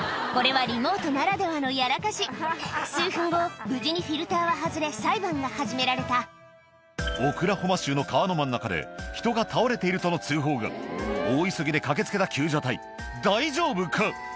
これはリモートならではのやらかし数分後無事にフィルターは外れ裁判が始められたオクラホマ州の川の真ん中で人が倒れているとの通報が大急ぎで駆け付けた救助隊大丈夫か？